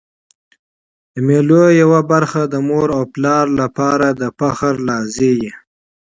د مېلو یوه برخه د مور او پلار له پاره د فخر لحظې يي.